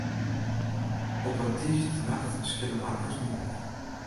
Op in tiisdeitenacht skille Markus my wekker.